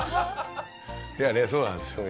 いやねそうなんですよ。